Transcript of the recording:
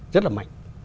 rất là mạnh